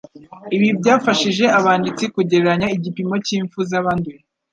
Ibi byafashije abanditsi kugereranya igipimo cy’impfu z’abanduye,